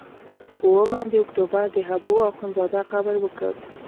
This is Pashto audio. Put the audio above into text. پر اوومه د اکتوبر د حبو اخندزاده قبر وکت.